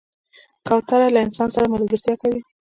کوتره له انسان سره ملګرتیا کوي.